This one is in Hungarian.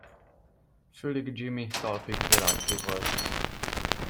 Fülig Jimmy talpig világfi volt.